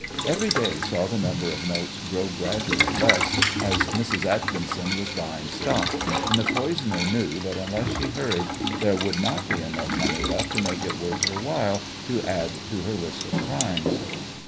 Every day saw the number of notes grow gradually less as Mrs. Atkinson was buying stock, and the poisoner knew that unless she hurried there would not be enough money left to make it worth her while to add to her list of crimes.